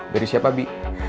dari siapa bi